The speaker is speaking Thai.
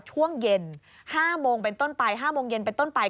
ช่วงเย็น๕โมงเป็นต้นไป๕โมงเย็นเป็นต้นไป